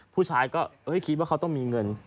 ผู้ชายก็คิดว่าเขาต้องมีเงิน